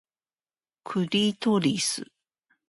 クリトリス